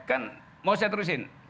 kan mau saya terusin